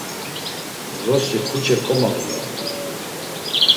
Vrosi xuçe komalu dort̆u.